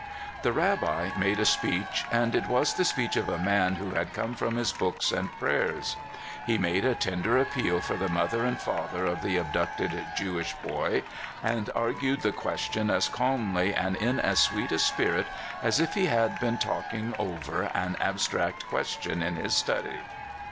The Rabbi made a speech, and it was the speech of a man who had come from his books and prayers. He made a tender appeal for the mother and father of the abducted Jewish boy, and ar gued the question as calmly, and in as sweet a spirit, as if he had been talking over an abstract question in his study.